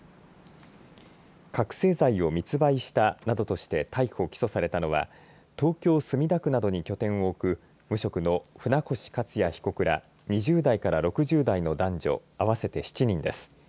覚醒剤を密売したなどとして逮捕、起訴されたのは東京、墨田区などに拠点を置く無職の舩越勝也被告ら２０代から６０代の男女合わせて７人です。